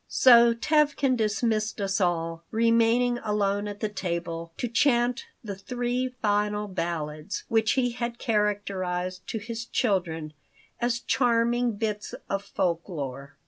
So Tevkin dismissed us all, remaining alone at the table to chant the three final ballads, which he had characterized to his children as "charming bits of folk lore."